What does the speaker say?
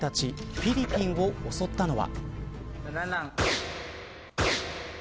フィリピンを襲ったのは。